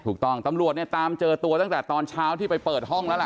ตำรวจเนี่ยตามเจอตัวตั้งแต่ตอนเช้าที่ไปเปิดห้องแล้วล่ะ